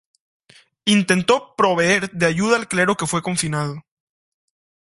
Intentó proveer de ayuda al clero que fue confinado.